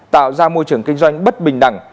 tạo ra môi trường kinh doanh bất bình đẳng